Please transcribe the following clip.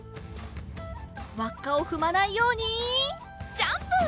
わっかをふまないようにジャンプ！